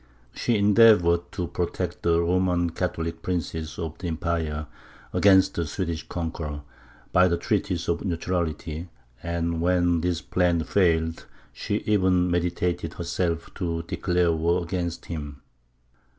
She endeavoured to protect the Roman Catholic princes of the empire against the Swedish conqueror, by the treaties of neutrality, and when this plan failed, she even meditated herself to declare war against him.